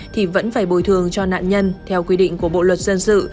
thì vẫn phải bồi thường cho nạn nhân theo quy định của bộ luật dân sự